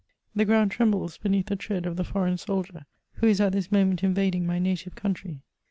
The ground trembles beneath the tread of the foreiga soldier, who is at Ous moment invading my native country.